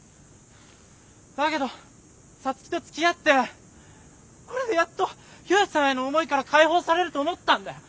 だけど皐月とつきあってこれでやっと悠さんへの思いから解放されると思ったんだよ。